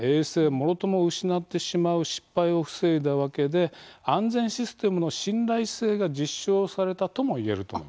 もろとも失ってしまう失敗を防いだわけで安全システムの信頼性が実証されたともいえると思います。